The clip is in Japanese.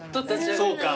そうか。